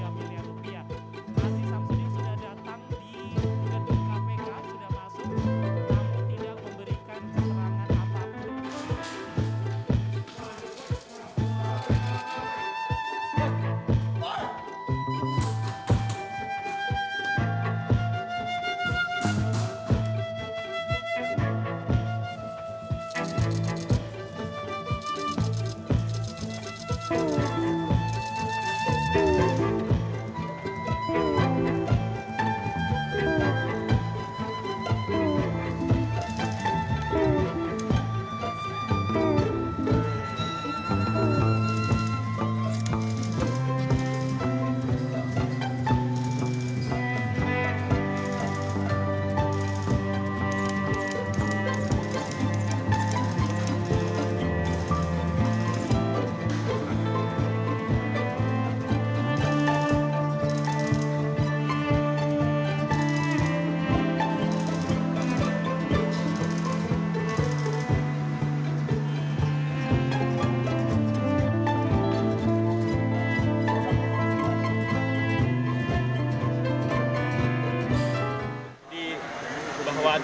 tiga miliar rupiah